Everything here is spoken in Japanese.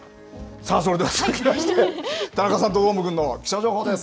さあそれでは、続きまして、田中さん、どーもくんの気象情報です。